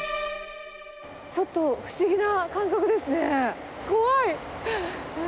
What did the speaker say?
ちょっと不思議な感覚ですね。